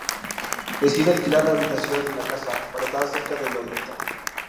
Decide alquilar la habitación en la casa, para estar cerca de Lolita.